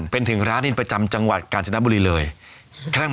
เป็นร้านนินประจำจังหวัดจนบุรีหน้า